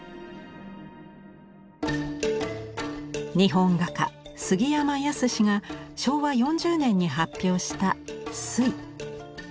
日本画家杉山寧が昭和４０年に発表した「水」。